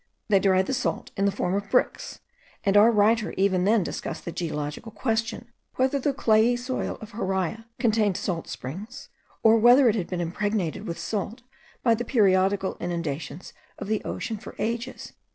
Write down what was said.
They dried the salt in the form of bricks; and our writer even then discussed the geological question, whether the clayey soil of Haraia contained salt springs, or whether it had been impregnated with salt by the periodical inundations of the ocean for ages.)